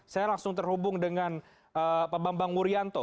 saya langsung terhubung dengan pak bambang wuryanto